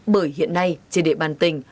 bởi hiện nay trên địa bàn tỉnh